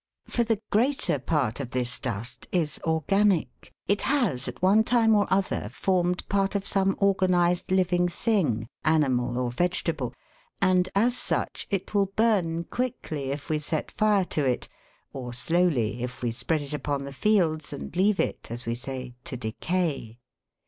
For the greater part of this dust is organic ; it has at one time or other formed part ot some organised living thing, animal or vegetable, and, as such, it will burn quickly if we set fire to it, or slowly if we spread it upon the fields, and leave it, as we say, "to decay."